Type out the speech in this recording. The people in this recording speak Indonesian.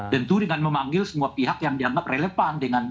dan itu dengan memanggil semua pihak yang dianggap relevan